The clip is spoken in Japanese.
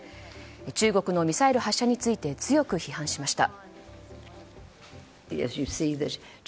中国のミサイル発射について強く批判しました。